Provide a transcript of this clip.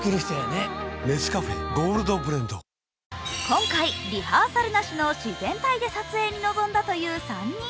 今回、リハーサルなしの自然体で撮影に臨んだという３人。